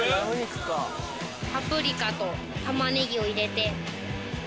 パプリカとタマネギを入れて。